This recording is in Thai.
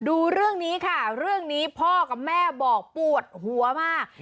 ดูเรื่องนี้ค่ะเรื่องนี้พ่อกับแม่บอกปวดหัวมาก